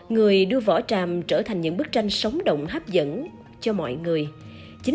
người đưa vỏ tràm trở thành những bức tranh sóng động hấp dẫn cho mọi người